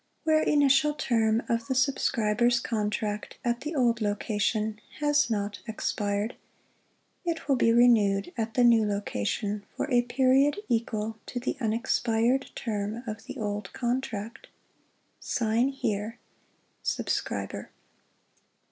Where initial term of the subscriber's contract at the old location has not expired, it will be renewed at the new location for a period equal to the unexpired term of the old contract. (Sign here). Subscriber.